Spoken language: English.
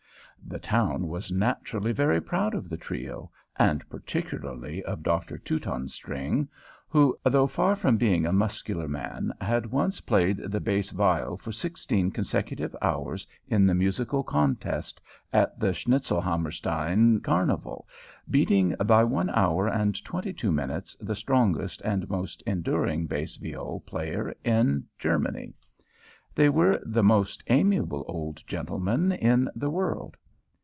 The town was naturally very proud of the trio, and particularly of Dr. Teutonstring, who, though far from being a muscular man, had once played the bass viol for sixteen consecutive hours in the musical contest at the Schnitzelhammerstein carnival, beating by one hour and twenty two minutes the strongest and most enduring bass viol player in Germany. They were the most amiable old gentlemen in the world.